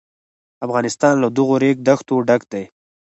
افغانستان له دغو ریګ دښتو ډک دی.